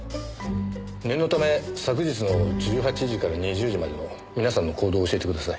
念のため昨日の１８時から２０時までの皆さんの行動を教えてください。